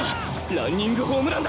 ランニングホームランだ